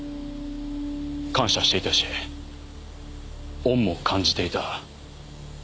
感謝していたし恩も感じていた。